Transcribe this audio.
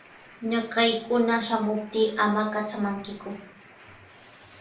Ñakaykuna shamuptin ama katramankiku.